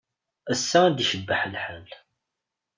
Ass-a ad yecbeḥ lḥal.